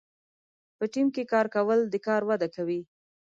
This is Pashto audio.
په ټیم کې کار کول د کار وده کوي.